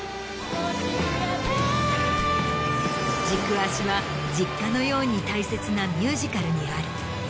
軸足は実家のように大切なミュージカルにある。